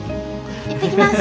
行ってきます。